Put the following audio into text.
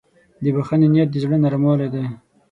د بښنې نیت د زړه نرموالی دی.